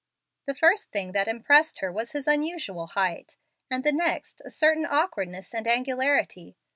The first thing that impressed her was his unusual height, and the next a certain awkwardness and angularity.